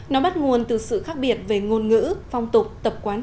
nó bắt nguồn từ sự khác biệt về ngôn ngữ phong tục tập quán